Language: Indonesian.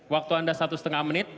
waktu anda satu setengah menit